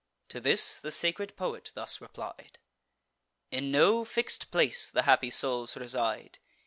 To this the sacred poet thus replied: "In no fix'd place the happy souls reside.